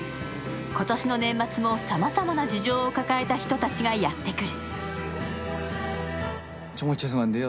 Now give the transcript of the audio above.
今年の年末もさまざまな事情を抱えた人たちがやって来る。